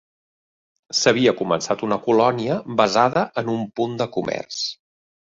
S'havia començat una colònia basada en un punt de comerç.